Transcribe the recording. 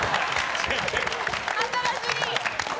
新しい！